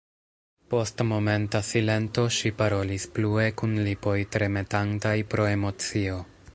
Post momenta silento ŝi parolis plue kun lipoj tremetantaj pro emocio: